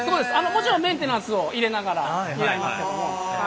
もちろんメンテナンスを入れながらになりますけども。